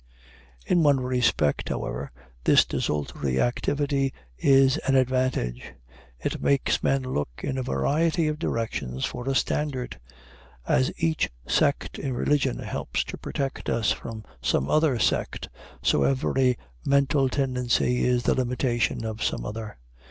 In one respect, however, this desultory activity is an advantage: it makes men look in a variety of directions for a standard. As each sect in religion helps to protect us from some other sect, so every mental tendency is the limitation of some other.